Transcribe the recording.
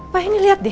pak ini lihat deh